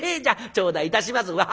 「じゃあ頂戴いたします。